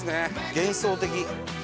幻想的。